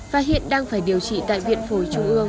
và hiện đang phải điều trị tại viện phổi trung ương